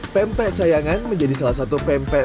pempek sayangan menjadi salah satu pempek